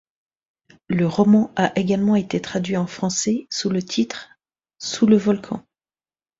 Le roman a également été traduit en français sous le titre Sous le volcan.